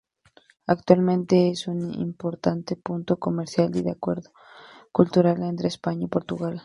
Actualmente es un importante punto comercial y de encuentro cultural entre España y Portugal.